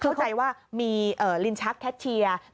เข้าใจว่ามีลิ้นชักแคชเชียร์